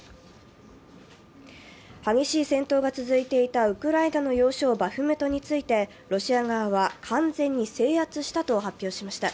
激しい戦闘が続いていたウクライナの要衝バフムトについてロシア側は完全に制圧したと発表しました。